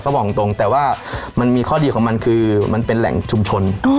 บอกตรงแต่ว่ามันมีข้อดีของมันคือมันเป็นแหล่งชุมชน